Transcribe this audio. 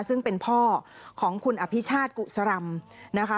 ซึ่งเป็นพ่อของคุณอภิชาติกุศรำนะคะ